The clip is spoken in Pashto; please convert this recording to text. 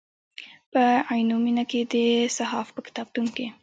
په عینومېنه کې د صحاف په کتابتون کې.